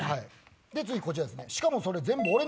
次こちらですね。